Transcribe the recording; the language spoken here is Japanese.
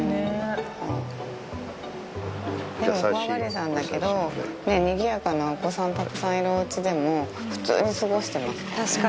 でも怖がりさんだけどにぎやかなお子さんたくさんいるお家でも普通に過ごしてますからね。